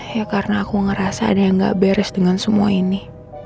ya karena aku ngerasa ada yang gak beres dengan semua ini